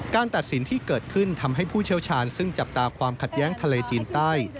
ตัดสินที่เกิดขึ้นทำให้ผู้เชี่ยวชาญซึ่งจับตาความขัดแย้งทะเลจีนใต้